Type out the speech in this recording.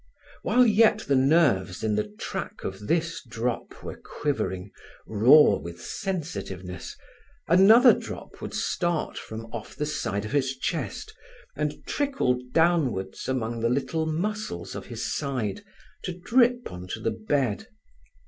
While yet the nerves in the track of this drop were quivering, raw with sensitiveness, another drop would start from off the side of his chest, and trickle downwards among the little muscles of his side, to drip on to the bed.